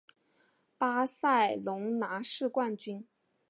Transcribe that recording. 巴塞隆拿是冠军。